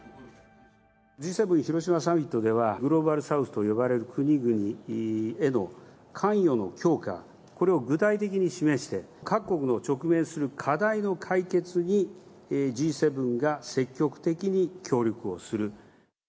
Ｇ７広島サミットでは、グローバルサウスと呼ばれる国々への関与の強化、これを具体的に示して、各国の直面する課題の解決に、Ｇ７が積極的に協力をする。